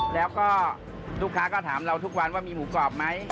แล้วก็ลูกค้าก็ถามเราทุกวันว่ามีหมูกรอบไหม